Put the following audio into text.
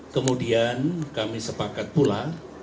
kemudian kami sepakat pula